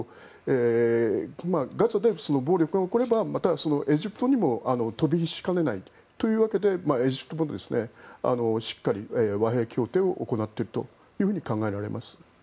ガザで、暴力が起こればエジプトにも飛び火しかねないというわけでエジプトもしっかり和平協定を行っていると考えられます。